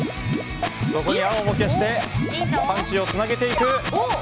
ここで青を消してパンチをつなげていく。